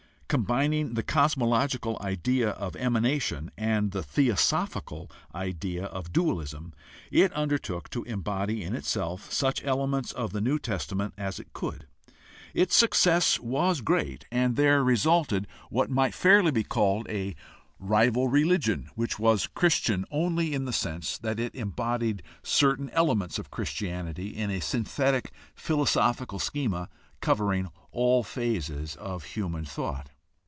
Combining the cos mological idea of emanation and the theosophical idea of dualism, it undertook to embody in itself such elements of the New Testament as it could. Its success was great, and there THE HISTORICAL STUDY OF RELIGION 73 resulted what might fairly be called a rival religion which was Christian only in the sense that it embodied certain elements of Christianity in a synthetic philosophical schema covering all phases of human thought.